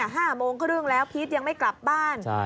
ห้าโมงก็เรื่องแล้วพีทยังไม่กลับบ้านใช่ใช่